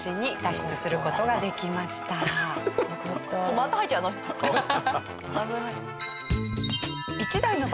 また入っちゃう危ない。